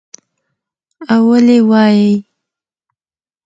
او ولې وايى